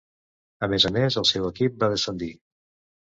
A més a més, el seu equip va descendir.